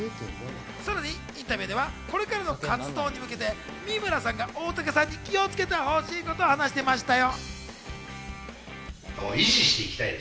さらにインタビューではこれからの活動に向けて、三村さんが大竹さんに気をつけてほしいことを話していましたよ。